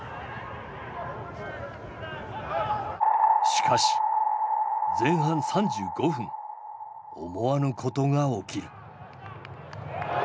しかし前半３５分思わぬことが起きる。